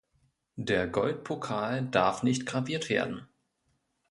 Der Goldpokal darf nicht graviert werden.